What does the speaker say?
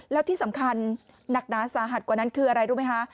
แล้วที่สำคัญหนักหนาสาหัสกว่านั้นคืออะไรรู้ไหมคะ